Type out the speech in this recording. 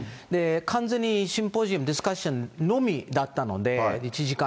完全にシンポジウム、ディスカッションのみだったので、１時間。